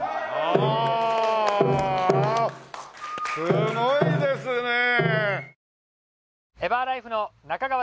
すごいですねえ！